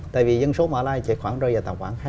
tại vì dân số mà lai sẽ khoảng rơi vào tầm khoảng